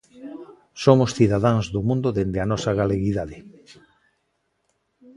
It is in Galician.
Somos cidadáns do mundo dende a nosa galeguidade.